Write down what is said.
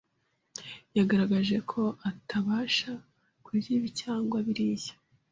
yagaragaje ko atabasha kurya ibi cyangwa biriya,